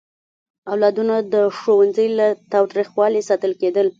اولادونه د ښوونځي له تاوتریخوالي ساتل کېدل.